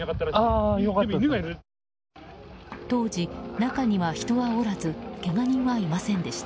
当時、中には人はおらずけが人はいませんでした。